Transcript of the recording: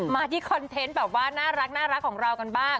มาที่คอนเทนต์แบบว่าน่ารักของเรากันบ้าง